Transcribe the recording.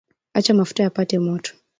acha mafuta yapate moto